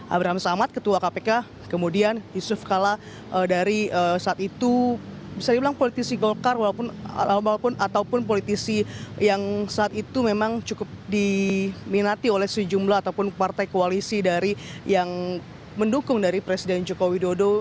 abraham samad ketua kpk kemudian yusuf kala dari saat itu bisa dibilang politisi golkar ataupun politisi yang saat itu memang cukup diminati oleh sejumlah ataupun partai koalisi dari yang mendukung dari presiden joko widodo